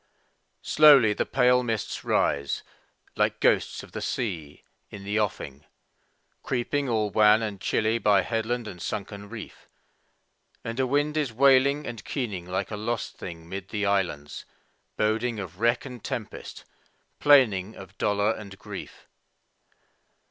Slowly the pale mists rise, like ghosts of the sea, in the offing, Creeping all wan and chilly by headland and sunken reef, And a wind is wailing and keening like a lost thing 'mid the islands, Boding of wreck and tempest, plaining of dolor and grief.